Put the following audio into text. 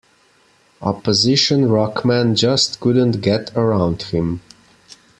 Opposition ruckmen just couldn't get around him.